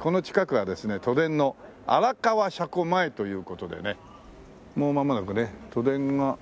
この近くはですね都電の荒川車庫前という事でねもうまもなくね都電が。